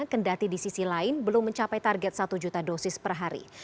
kendati di sisi lain belum mencapai target satu juta dosis per hari